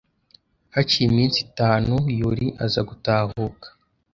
Haciye iminsi itanuYuli aza gutahuka